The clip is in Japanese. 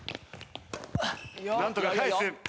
なんとか返す。